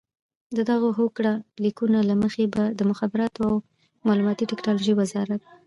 د دغو هوکړه لیکونو له مخې به د مخابراتو او معلوماتي ټکنالوژۍ وزارت